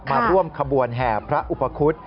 มาร่วมขบวนแห่พระอุปคุฎ